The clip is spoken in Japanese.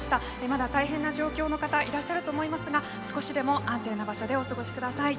まだ大変な状況の方いらっしゃると思いますが少しでも安全な場所でお過ごしください。